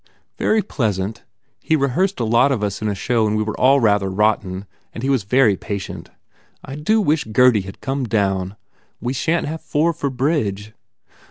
"Very pleasant. He rehearsed a lot of us in a show and we were all rather rotten and he was very patient. I do wish Gurdy had come down ! We shan t have four for bridge.